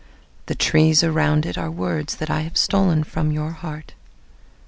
The trees around itAre words that I have stolen from your heart.